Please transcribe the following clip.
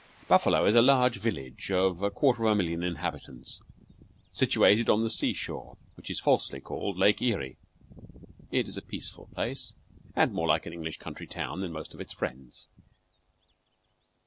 Buffalo is a large village of a quarter of a million inhabitants, situated on the seashore, which is falsely called Lake Erie. It is a peaceful place, and more like an English county town than most of its friends.